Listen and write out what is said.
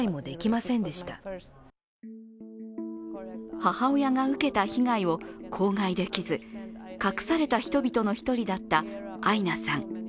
母親が受けた被害を口外できず、隠された人々の１人だったアイナさん。